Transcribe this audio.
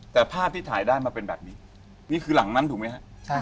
แต่ภาพที่ถ่ายได้มันเป็นแบบนี้นี่คือหลังนั้นถูกไหมฮะใช่